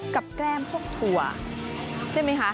กับแกรมพวกถั่วใช่มั้ยคะ